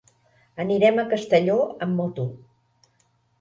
Anirem a Castelló amb moto.